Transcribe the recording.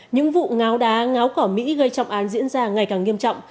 những vụ ngáo đá ngáo cỏ mỹ gây trọng án diễn ra ngày càng nghiêm trọng